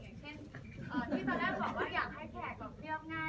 อย่างเช่นที่ตอนแรกบอกว่าอยากให้แขกแบบเรียบง่าย